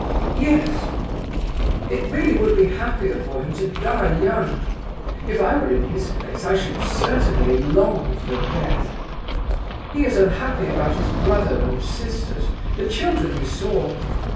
"Yes. It really would be happier for him to die young. If I were in his place I should certainly long for death. He is unhappy about his brother and sisters, the children you saw.